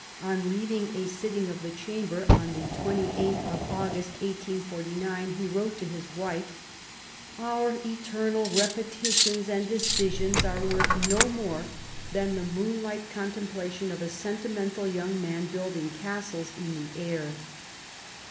On leaving a sitting of the Chamber on the 28th of August, 1849, he wrote to his wife :" Our eternal repetitions and decisions are worth no more than the moonlight contemplation of a sentimental young man building castles in the air."